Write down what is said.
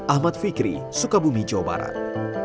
ahmad fikri sukabumi jawa barat